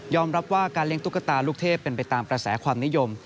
รับว่าการเลี้ยตุ๊กตาลูกเทพเป็นไปตามกระแสความนิยม